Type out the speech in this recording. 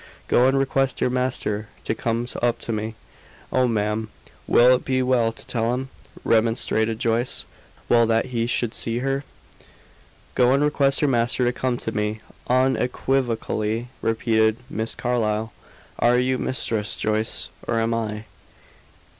"Go and request your master to come up to me." "Oh, ma'am! Will it be well to tell him?" remonstrated Joyce. "Well that he should see her?" "Go and request your master to come to me," unequivocally repeated Miss Carlyle. "Are you mistress, Joyce, or am I?"